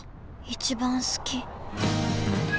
一番好き